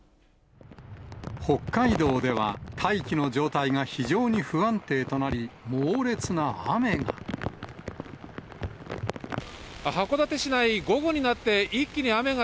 北海道では大気の状態が非常に不安定となり、猛烈な雨が。